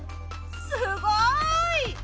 すごい！